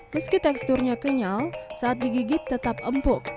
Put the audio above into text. meski teksturnya kenyal saat digigit tetap empuk